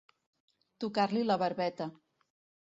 Tocar-li la barbeta.